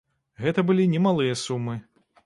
Гэта былі немалыя сумы.